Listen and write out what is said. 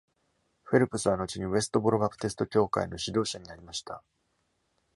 フェルプスは後にウェストボロバプテスト教会の指導者になりました。